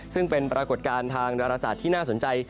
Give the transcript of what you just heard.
ซึ่งเป็นปรากฏการณ์ทางดาราศาสตร์ที่น่าสนใจ